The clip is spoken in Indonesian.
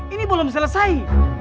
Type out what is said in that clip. ini belum selesai